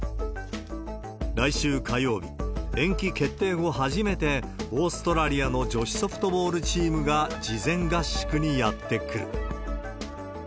来週火曜日、延期決定後初めて、オーストラリアの女子ソフトボールチームが事前合宿にやって来る。